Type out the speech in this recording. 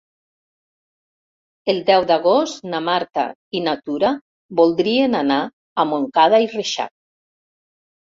El deu d'agost na Marta i na Tura voldrien anar a Montcada i Reixac.